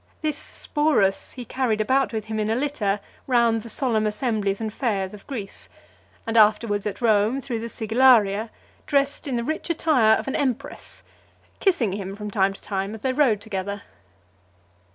This Sporus he carried about with him in a litter round the solemn assemblies and fairs of Greece, and afterwards at Rome through the Sigillaria , dressed in the rich attire of an empress; kissing him from time to time as they rode together.